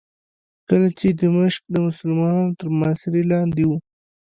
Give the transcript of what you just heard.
کله چې دمشق د مسلمانانو تر محاصرې لاندې و.